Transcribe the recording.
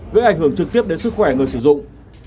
gây ảnh hưởng trực tiếp đến sức khỏe người sử dụng